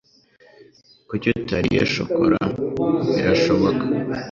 Kuki utariye shokora? (birashoboka)